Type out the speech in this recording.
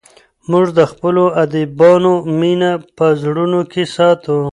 موږ د خپلو ادیبانو مینه په زړونو کې ساتو.